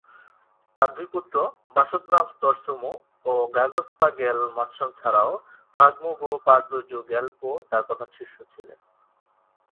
তার দুই পুত্র ব্সোদ-নাম্স-র্ত্সে-মো ও গ্রাগ্স-পা-র্গ্যাল-ম্ত্শান ছাড়াও ফাগ-মো-গ্রু-পা-র্দো-র্জে-র্গ্যাল-পো তার প্রধান শিষ্য ছিলেন।